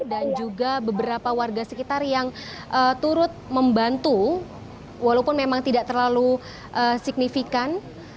dan juga beberapa warga sekitar yang turut membantu walaupun memang tidak terlalu signifikan